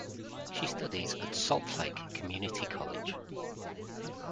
She studies at Salt Lake Community College.